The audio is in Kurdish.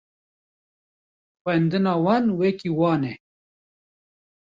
Xwendina wan wekî wan e